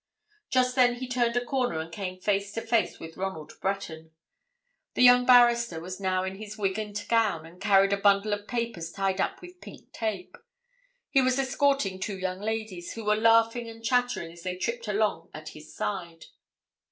Just then he turned a corner and came face to face with Ronald Breton. The young barrister was now in his wig and gown and carried a bundle of papers tied up with pink tape; he was escorting two young ladies, who were laughing and chattering as they tripped along at his side.